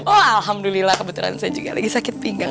oh alhamdulillah kebetulan saya juga lagi sakit pinggang